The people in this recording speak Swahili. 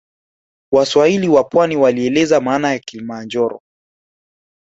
Waswahili wa pwani walieleza maana ya kilimanjoro